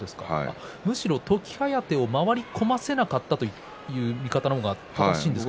むしろ時疾風を回り込ませなかったという感じの方がいいですか。